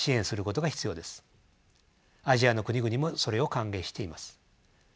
アジアの国々もそれを歓迎しています。